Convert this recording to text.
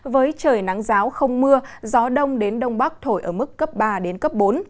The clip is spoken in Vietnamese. với trời nắng giáo không mưa gió đông đến đông bắc thổi ở mức cấp ba đến cấp bốn